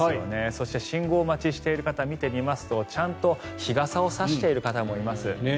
そして信号待ちをしている方見てみますとちゃんと日傘を差している方もいます。